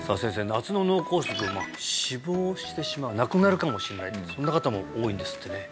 夏の脳梗塞死亡してしまう亡くなるかもしれないそんな方も多いんですってね